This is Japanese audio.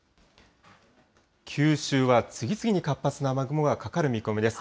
九州は次々に活発な雨雲がかかる見込みです。